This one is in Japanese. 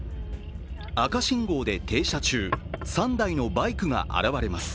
赤信号で停車中、３台のバイクが現れます。